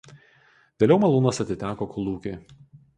Vėliau malūnas atiteko kolūkiui.